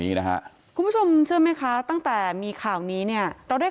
นี้นะฮะคุณผู้ชมเชื่อไหมคะตั้งแต่มีข่าวนี้เนี่ยเราได้